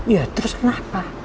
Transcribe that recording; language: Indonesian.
ya terus kenapa